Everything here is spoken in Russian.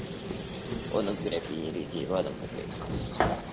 Он от графини Лидии Ивановны прислан.